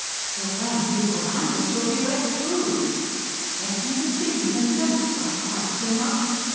"Your Grand Ducal Highness will be wet through." "Get me the things. And don't cry quite so much.